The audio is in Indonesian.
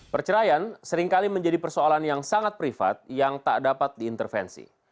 perceraian seringkali menjadi persoalan yang sangat privat yang tak dapat diintervensi